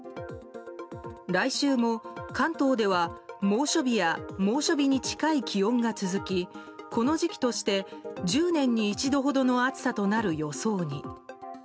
来週も関東では、猛暑日や猛暑日に近い気温が続きこの時期として１０年に一度ほどの暑さとなる予想に。